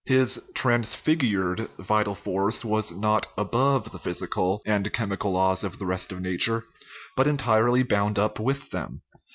His "transfigured" vital force was not above the physical and chemical laws of the rest of nature but entirely bound up with them.